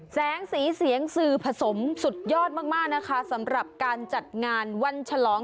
แสงสีเสียงสื่อผสมสุดยอดมากมากนะคะสำหรับการจัดงานวันฉลอง